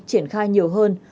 triển khai nhiều hơn